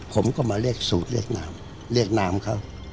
ผมก็มาเรียกสูตรเรียกนามเรียกนามเขา